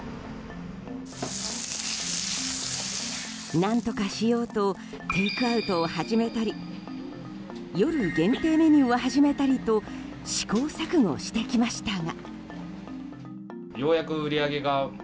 何とかしようとテイクアウトを始めたり夜限定メニューを始めたりと試行錯誤してきましたが。